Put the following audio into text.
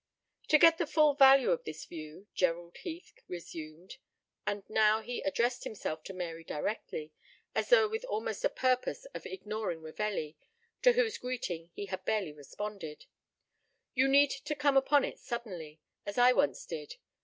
"To get the full value of this view," Gerald Heath resumed, and now he addressed himself to Mary directly, as though with almost a purpose of ignoring Ravelli, to whose greeting he had barely responded, "you need to come upon it suddenly as I once did.